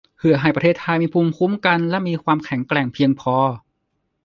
เพื่อให้ประเทศไทยมีภูมิคุ้มกันและมีความแข็งแกร่งเพียงพอ